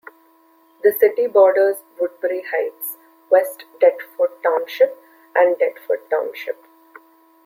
The city borders Woodbury Heights, West Deptford Township and Deptford Township.